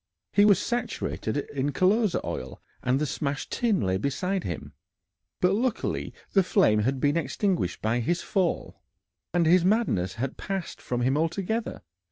He was saturated in colza oil, and the smashed tin lay beside him, but luckily the flame had been extinguished by his fall. And his madness had passed from him altogether.